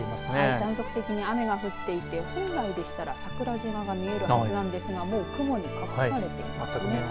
断続的に雨が降っていて本来でしたら桜島が見えるんですがもう雲に隠されていますね。